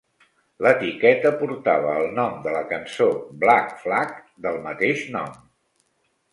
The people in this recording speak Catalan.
L'etiqueta portava el nom de la cançó Black Flag del mateix nom.